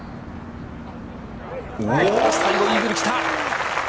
最後、イーグル来た。